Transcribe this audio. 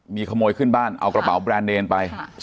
มีขโมยขึ้นบ้านเอากระเป๋าแบรนด์เนรไป